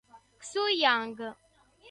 Xu Yang